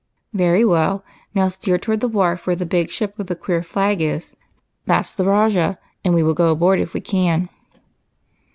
" Very well ; now steer toward the wharf where the big ship with the queer flag is. That 's the 'Rajah,' and we will go aboard if we can."